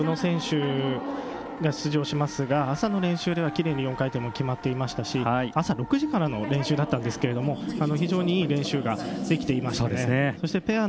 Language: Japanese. ショートプログラムは宇野選手が出場しますが朝の練習ではきれいに４回転も決まっていましたし朝６時からの練習だったんですが非常にいい練習ができていました。